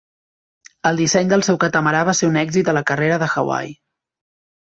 El disseny del seu catamarà va ser un èxit a la carrera de Hawaii.